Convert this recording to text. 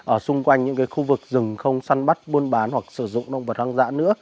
ở xung quanh những khu vực rừng không săn bắt buôn bán hoặc sử dụng động vật hoang dã nữa